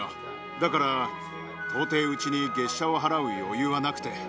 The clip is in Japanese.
だから、到底うちに月謝を払う余裕はなくて。